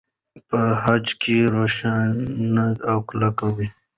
په خج کې روښانه او کلک وي.